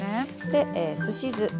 ですし酢。